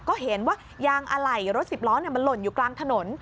ก็เห็นว่ายางอะไหล่รถสิบล้อมันหล่นอยู่กลางถนน